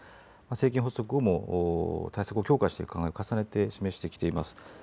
政権発足後も対策を強化していく考えを重ねて示してきています。